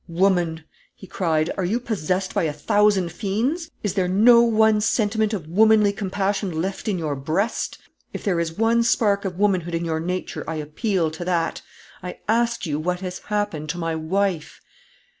Woman!" he cried, "are you possessed by a thousand fiends? Is there no one sentiment of womanly compassion left in your breast? If there is one spark of womanhood in your nature, I appeal to that; I ask you what has happened to my wife?"